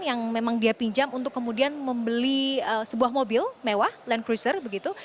yang memang dia pinjam untuk kemudian membeli sebuah mobil mewah land cruiser begitu